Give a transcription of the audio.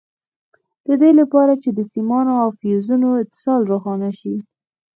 د دې لپاره چې د سیمانو او فیوزونو اتصال روښانه شي.